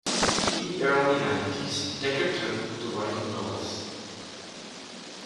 In the early nineties Dekker turned to writing novels.